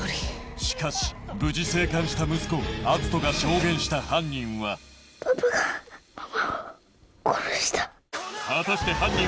しかし無事生還した息子篤斗が証言した犯人はパパがママを殺した。